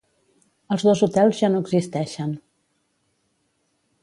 Els dos hotels ja no existixen.